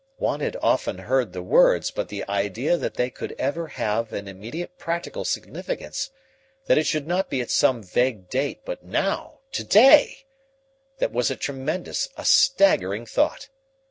One had often heard the words, but the idea that they could ever have an immediate practical significance, that it should not be at some vague date, but now, to day, that was a tremendous, a staggering thought.